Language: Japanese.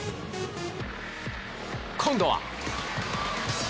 今度は。